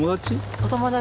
お友達。